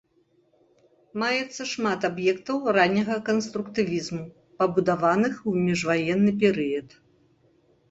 Маецца шмат аб'ектаў ранняга канструктывізму, пабудаваных ў міжваенны перыяд.